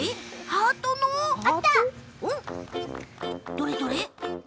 どれどれ。